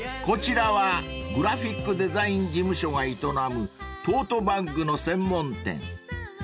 ［こちらはグラフィックデザイン事務所が営むトートバッグの専門店］